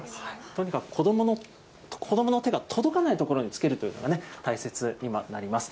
とにかく子どもの手が届かない所につけるというのが大切にはなります。